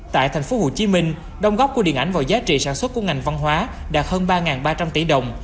tại tp hcm đồng góp của điện ảnh vào giá trị sản xuất của ngành văn hóa đạt hơn ba ba trăm linh tỷ đồng